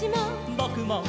「ぼくも」